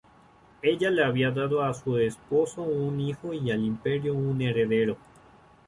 Ella le había dado a su esposo un hijo y al Imperio un heredero.